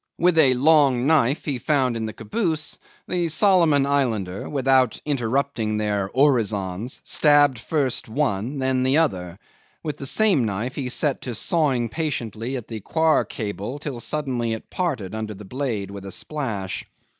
With a long knife he found in the caboose the Solomon Islander, without interrupting their orisons, stabbed first one, then the other; with the same knife he set to sawing patiently at the coir cable till suddenly it parted under the blade with a splash.